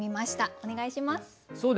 お願いします。